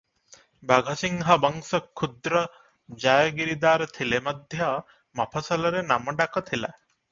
ବାଘସିଂହ ବଂଶ କ୍ଷୁଦ୍ର ଜାୟଗିରିଦାର ଥିଲେ ମଧ୍ୟ ମଫସଲରେ ନାମ ଡାକ ଥିଲା ।